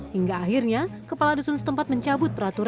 hingga akhirnya kepala dusun setempat mencabut peraturan